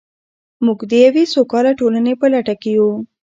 موږ د یوې سوکاله ټولنې په لټه کې یو.